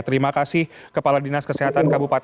terima kasih kepala dinas kesehatan kabupaten subang dr maksi